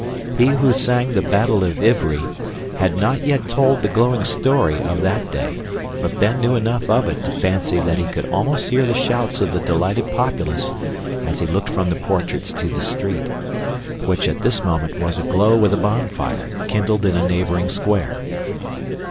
He who sang the Battle of Ivry had not yet told the glowing story of that day, but Ben knew enough of it to fancy that he could almost hear the shouts of the delighted populace as he looked from the portraits to the street, which at this moment was aglow with a bonfire, kindled in a neighboring square.